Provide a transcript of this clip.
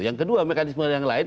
yang kedua mekanisme yang lain